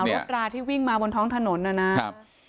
รถราที่วิ่งมาบนท้องถนนนะครับ